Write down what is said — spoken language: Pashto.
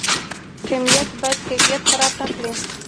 کمیت باید کیفیت خراب نکړي